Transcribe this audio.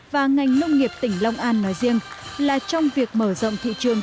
và ngành nông nghiệp tỉnh long an nói riêng là trong việc mở rộng thị trường